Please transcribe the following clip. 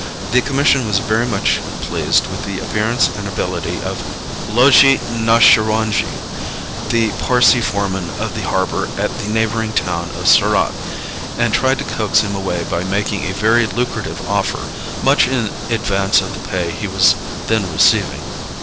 The commission was very much pleased with the appearance and ability of Lowji Naushirwanji, the Parsee foreman of the harbor at the neighboring town of Surat, and tried to coax him away by making a very lucrative offer, much in advance of the pay he was then receiving.